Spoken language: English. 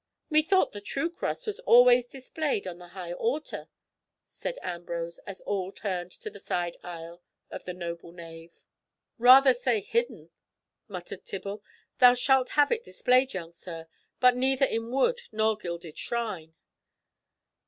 "Methought the true Cross was always displayed on the High Altar," said Ambrose, as all turned to a side aisle of the noble nave. "Rather say hidden," muttered Tibble. "Thou shalt have it displayed, young sir, but neither in wood nor gilded shrine.